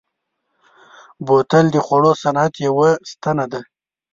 بوتل د خوړو صنعت یوه ستنه ده.